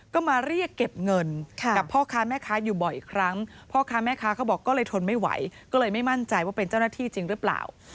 ก็มาเรียกเก็บเงินกับพ่อค้าแม่ค้าอยู่บ่อยครั้งพ่อค้าแม่ค้าเขาบอกก็เลยทนไม่ไหวก็เลยไม่มั่นใจว่าเป็นเจ้าหน้าที่จริงหรือเปล่า